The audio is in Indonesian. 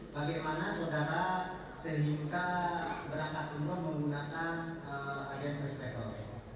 bagaimana saudara seringkah berangkat tumbuh menggunakan agen first travel